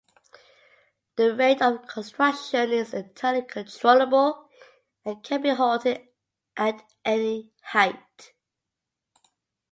The rate of construction is entirely controllable, and can be halted at any height.